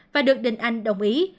và được đình anh đồng ý